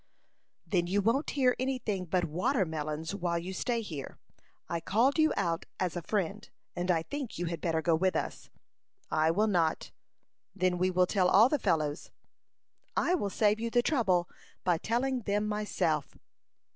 "Then you won't hear any thing but watermelons while you stay here. I called you out as a friend, and I think you had better go with us." "I will not." "Then we will tell all the fellows." "I will save you the trouble by telling them myself."